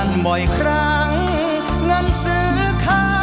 ช่วยฝังดินหรือกว่า